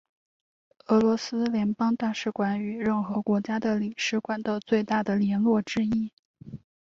俄罗斯联邦大使馆与任何国家的领事馆的最大的联络之一。